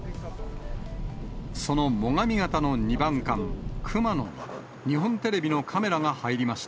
そのもがみ型の２番艦くまのに、日本テレビのカメラが入りました。